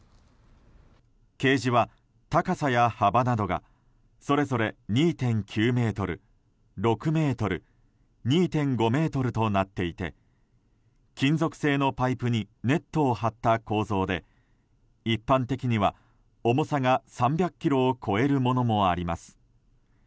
ケージは高さや幅などがそれぞれ２．９ｍ、６ｍ２．５ｍとなっていて金属製のパイプにネットを張った構造で一般的には、重さが３００ｋｇを超えるものもあります。